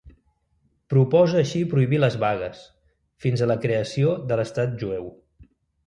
Proposa així prohibir les vagues, fins a la creació de l'Estat Jueu.